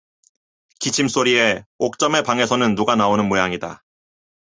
기침소리에 옥점의 방에서는 누가 나오는 모양이다.